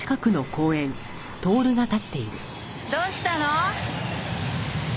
どうしたの？